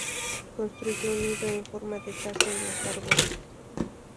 Construye un nido en forma de taza en los árboles.